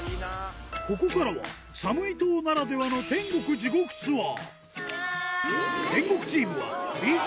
ここからは、サムイ島ならではの天国地獄ツアー。